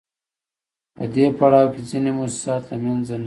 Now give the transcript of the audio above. په دې پړاو کې ځینې موسسات له منځه نه ځي